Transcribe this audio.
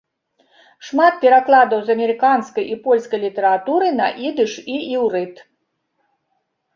Шмат перакладаў з амерыканскай і польскай літаратуры на ідыш і іўрыт.